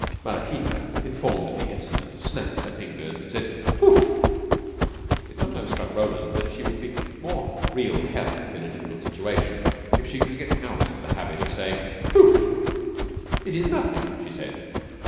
Maraquita, informed of the incident, snapped her fingers, and said "Poof!" It sometimes struck Roland that she would be more real help in a difficult situation if she could get out of the habit of saying "Poof!" "It is nothing," she said.